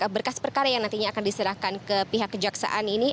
berkas perkara yang nantinya akan diserahkan ke pihak kejaksaan ini